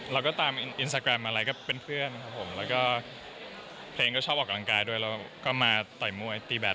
แล้วก็ตามอินสตาแกรมอะไรก็เป็นเพื่อนครับผมแล้วก็เพลงก็ชอบออกกำลังกายด้วยแล้วก็มาต่อยมวยตีแบบ